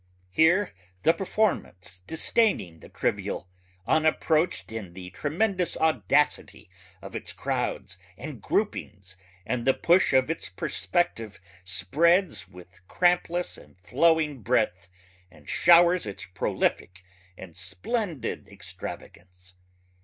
Here the performance disdaining the trivial unapproached in the tremendous audacity of its crowds and groupings and the push of its perspective spreads with crampless and flowing breadth and showers its prolific and splendid extravagance.